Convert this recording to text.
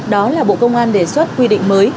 đó là bộ công an đề xuất quy định mới